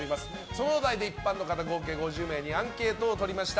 そのお題で一般の方合計５０名にアンケートを取りました。